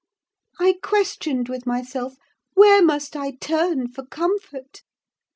I questioned with myself—where must I turn for comfort?